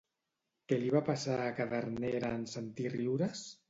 Què li va passar a Cadernera en sentir riures?